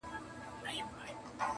o خدای دي نه کړي مفکوره مي سي غلامه,